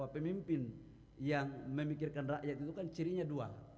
pemimpin yang memikirkan rakyat itu kan cirinya dua